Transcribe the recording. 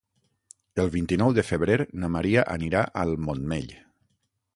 El vint-i-nou de febrer na Maria anirà al Montmell.